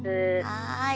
はい。